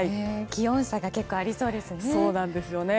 気温差が結構ありそうですね。